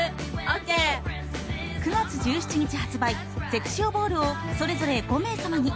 ９月１８日発売、ゼクシオボールをそれぞれ５名様に。